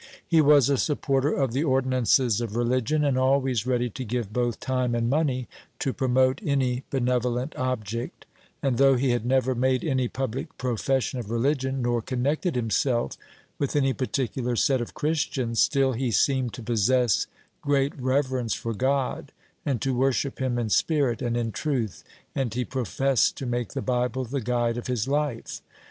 He was a supporter of the ordinances of religion, and always ready to give both time and money to promote any benevolent object; and though he had never made any public profession of religion, nor connected himself with any particular set of Christians, still he seemed to possess great reverence for God, and to worship him in spirit and in truth, and he professed to make the Bible the guide of his life.